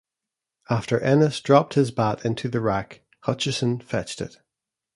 After Ennis dropped his bat into the rack, Hutchinson fetched it.